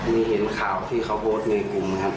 มีเห็นข่าวที่เขาโพสในกลุ่มอ่ะครับ